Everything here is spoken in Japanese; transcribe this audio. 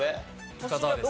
深澤です。